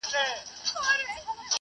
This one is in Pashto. تاسي مه بېدېږئ ځکه میلمانه راځي.